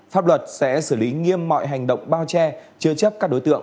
pháp luật sẽ xử lý nghiêm mọi hành động bao che chứa chấp các đối tượng